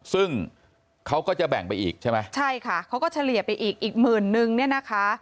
ซึ่งเขาก็จะแบ่งไปอีกใช่ไหมใช่ค่ะเขาก็เฉลี่ยไปอีกอีกหมื่นนึงเนี่ยนะคะ